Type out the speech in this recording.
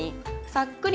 さっくり？